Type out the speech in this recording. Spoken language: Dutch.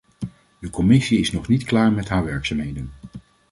De commissie is nog niet klaar met haar werkzaamheden.